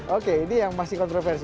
oke ini yang masih kontroversi